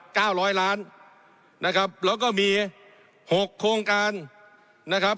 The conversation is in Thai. เก้าร้อยล้านนะครับแล้วก็มีหกโครงการนะครับ